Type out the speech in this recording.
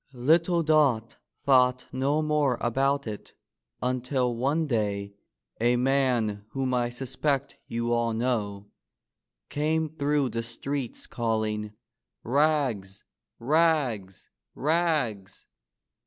Little Dot thought no more about it until one day a man whom I suspect you all know came through the streets calling: ^^Rags! rags! rags!